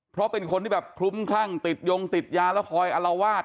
เพราะเป็นคนที่แบบคลุ้มคลั่งติดยงติดยาแล้วคอยอลวาด